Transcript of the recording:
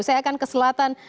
saya akan ke selatan